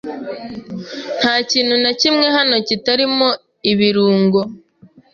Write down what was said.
Nta kintu na kimwe hano kitarimo ibirungo.